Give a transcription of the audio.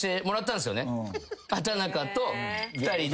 畠中と２人で。